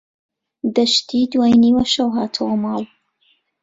دەشتی دوای نیوەشەو هاتەوە ماڵ.